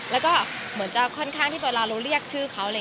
แล้วก็เหมือนจะค่อนข้างที่เวลาเราเรียกชื่อเขา